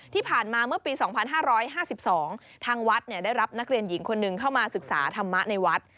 ที่ผ่านมาเมื่อปี๒๕๕๒ทางวัดได้รับนักเรียนหญิงคนหนึ่งเข้ามาศึกษาธรรมะในวัด